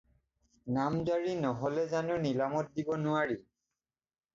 নাম জাৰি নহ'লে জানো নিলামত দিব নোৱাৰি।